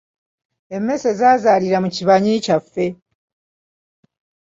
Emmese zaazaalira mu kibanyi ky’ewaffe.